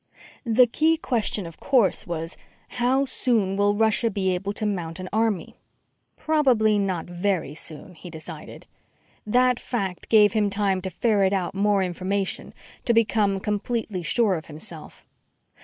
The key question, of course, was: How soon will Russia be able to mount an army? Probably not very soon, he decided. That fact gave him time to ferret out more information; to become completely sure of himself.